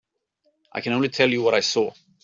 I can only tell you what I saw.